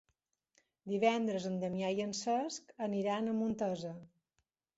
Divendres en Damià i en Cesc aniran a Montesa.